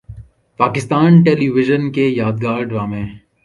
Pakistan television کے یادگار ڈرامے